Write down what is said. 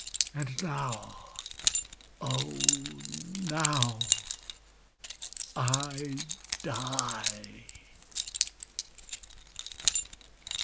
And now, oh! now, I die!